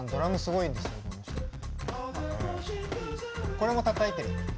これもたたいてる。